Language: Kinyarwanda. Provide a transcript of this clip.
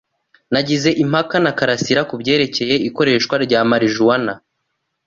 Nagize impaka na Karasirakubyerekeye ikoreshwa rya marijuwana.